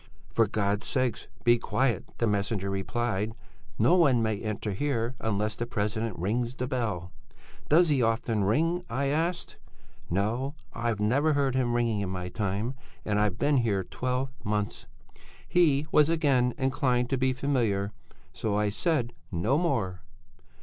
'For God's sake, be quiet! No one may enter here unless the president rings the bell.' 'Does he often ring?' 'No, I've never heard him ringing in my time, and I've been here twelve months.' He was again inclined to be familiar, so I said no more.